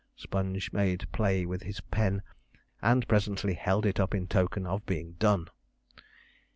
"' Sponge made play with his pen, and presently held it up in token of being done.